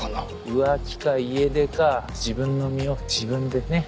浮気か家出か自分の身を自分でね。